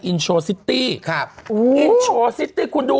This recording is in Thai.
อินโชว์ซิตี้ครับโอ้โหอินโชว์ซิตี้คุณดูอ่ะ